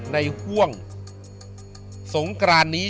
ห่วงสงกรานนี้